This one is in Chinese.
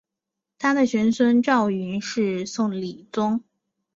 他的玄孙赵昀是宋理宗。